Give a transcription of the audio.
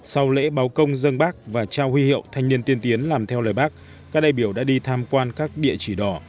sau lễ báo công dân bác và trao huy hiệu thanh niên tiên tiến làm theo lời bác các đại biểu đã đi tham quan các địa chỉ đỏ